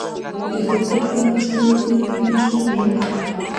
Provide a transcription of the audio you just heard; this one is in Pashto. د کرکټ فینانشل لیګونه ډېر مشهور دي.